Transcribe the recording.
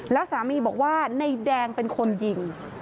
แล้วสามีบอกว่านายแดงเป็นคนยิง